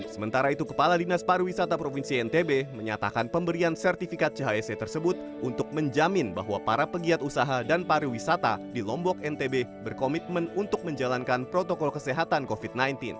sementara itu kepala dinas pariwisata provinsi ntb menyatakan pemberian sertifikat chse tersebut untuk menjamin bahwa para pegiat usaha dan pariwisata di lombok ntb berkomitmen untuk menjalankan protokol kesehatan covid sembilan belas